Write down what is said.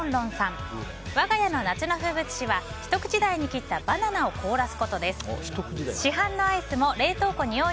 我が家の夏の風物詩はひと口大に切ったバナナをいい汗。